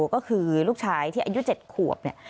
ก็คือลูกชายที่อายุ๗ขวบเนี่ย